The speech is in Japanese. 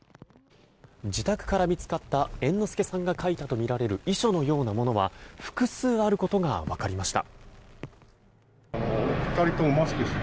自宅から見つかった猿之助さんが書いたとみられる遺書のようなものは複数あることが分かりました。